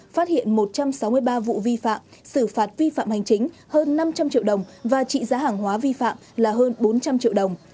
phát hiện một trăm sáu mươi ba vụ vi phạm xử phạt vi phạm hành chính hơn năm trăm linh triệu đồng và trị giá hàng hóa vi phạm là hơn bốn trăm linh triệu đồng